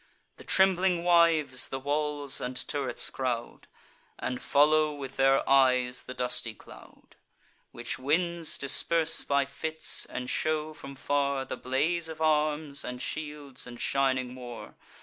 The trembling wives the walls and turrets crowd, And follow, with their eyes, the dusty cloud, Which winds disperse by fits, and shew from far The blaze of arms, and shields, and shining war.